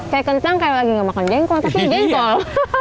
kayak kentang kayak lagi gak makan jengkol tapi jengkol